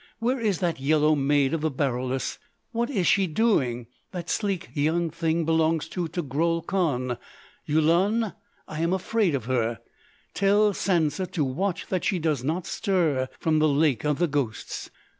Where is that yellow maid of the Baroulass?... What is she doing? That sleek young thing belongs to Togrul Kahn? Yulun! I am afraid of her! Tell Sansa to watch that she does not stir from the Lake of the Ghosts!...